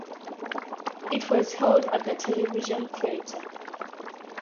It was held at the Television Theatre.